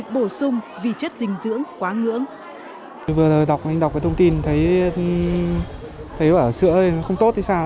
bổ sung vi chất dinh dưỡng quá ngưỡng